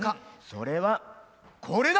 それはこれだ！